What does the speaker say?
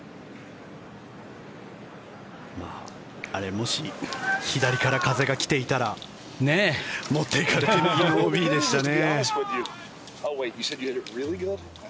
あれ、もし左から風が来ていたら持っていかれて右のＯＢでしたね。